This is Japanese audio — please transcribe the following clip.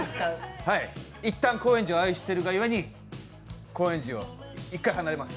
いったん、高円寺を愛してるが故に高円寺を１回離れます。